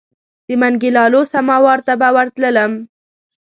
د منګي لالو سماوار ته به ورتللم.